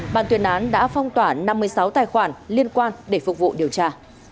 bàn tuyên án đã phong tỏa năm mươi sáu tài khoản liên quan để phục vụ điều tra